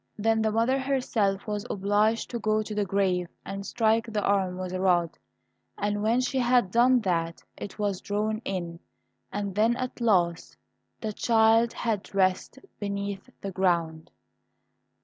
Then the mother herself was obliged to go to the grave, and strike the arm with a rod, and when she had done that, it was drawn in, and then at last the child had rest beneath the ground.